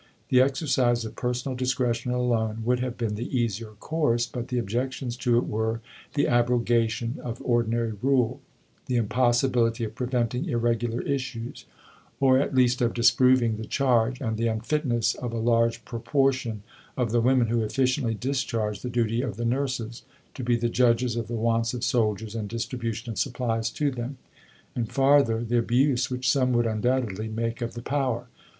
The exercise of personal discretion alone would have been the easier course; but the objections to it were "the abrogation of ordinary rule; the impossibility of preventing irregular issues, or at least of disproving the charge, and the unfitness of a large proportion of the women, who efficiently discharge the duty of the Nurses, to be the judges of the wants of soldiers and distribution of supplies to them; and, farther, the abuse which some would undoubtedly make of the power.